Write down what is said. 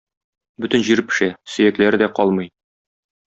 Бөтен җире пешә, сөякләре дә калмый.